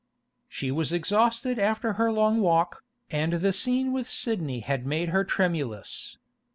She was exhausted after her long walk, and the scene with Sidney had made her tremulous.